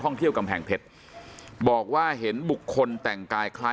ท่องเที่ยวกำแพงเพชรบอกว่าเห็นบุคคลแต่งกายคล้าย